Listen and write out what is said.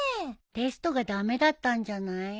テストが駄目だったんじゃない？